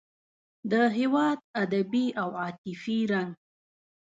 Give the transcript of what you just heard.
د هېواد ادبي او عاطفي رنګ.